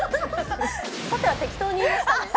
さては適当に言いましたね？